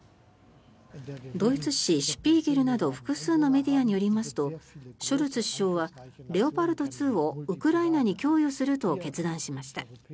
ドイツ誌「シュピーゲル」など複数のメディアによりますとショルツ首相はレオパルト２をウクライナに供与すると決断しました。